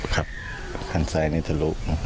ครับข้างซ้ายนี่ทะลุ